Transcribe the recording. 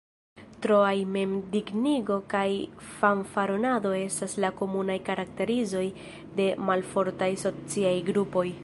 Troaj mem-dignigo kaj fanfaronado estas la komunaj karakterizoj de malfortaj sociaj grupoj.